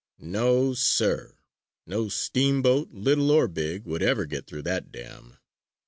No, sir! No steamboat, little or big, would ever get through that dam!